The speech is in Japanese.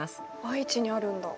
愛知にあるんだ。